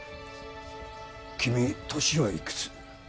君年はいくつ？